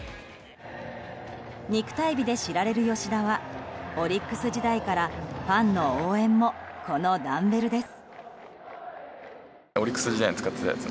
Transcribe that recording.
肉体美で知られる吉田はオリックス時代からファンの応援もこのダンベルです。